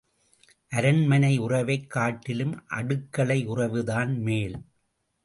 அரண்மனை உறவைக் காட்டிலும் அடுக்களை உறவுதான் மேல்.